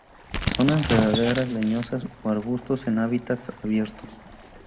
Son enredaderas leñosas o arbustos en hábitats abierto.